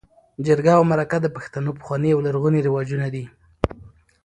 جرګه او مرکه د پښتنو پخواني او لرغوني رواجونه دي.